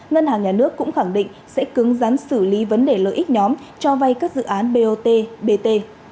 ngân hàng nhà nước cũng khẳng định sẽ cứng rắn xử lý vấn đề lợi ích nhóm cho vay các dự án bot bt